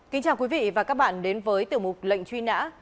kính chào quý vị và các bạn đến với tiểu mục lệnh truy nã